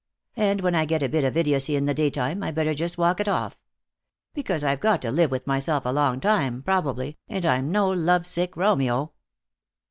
And when I get a bit of idiocy in the daytime, I'd better just walk it off. Because I've got to live with myself a long time, probably, and I'm no love sick Romeo."